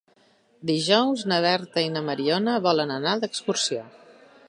Dijous na Berta i na Mariona volen anar d'excursió.